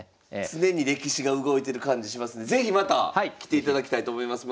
常に歴史が動いてる感じしますんで是非また来ていただきたいと思います。